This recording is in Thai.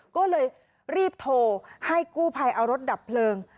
ก็เลยรีบโทรให้กู้ภัยเอารถดับเพลิง